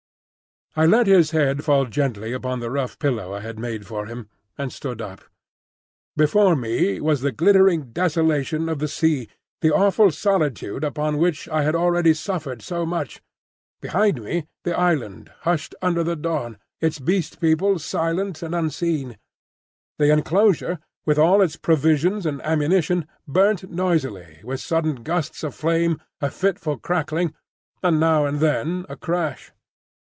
I let his head fall gently upon the rough pillow I had made for him, and stood up. Before me was the glittering desolation of the sea, the awful solitude upon which I had already suffered so much; behind me the island, hushed under the dawn, its Beast People silent and unseen. The enclosure, with all its provisions and ammunition, burnt noisily, with sudden gusts of flame, a fitful crackling, and now and then a crash.